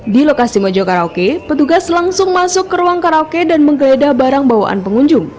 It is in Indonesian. di lokasi mojo karaoke petugas langsung masuk ke ruang karaoke dan menggeledah barang bawaan pengunjung